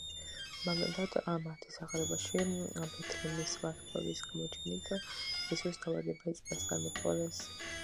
მაგალითად, მათეს სახარებაში ბეთლემის ვარსკვლავის გამოჩენით იესოს დაბადება იწინასწარმეტყველეს.